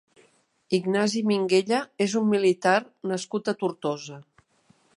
Ignasi Minguella és un militar nascut a Tortosa.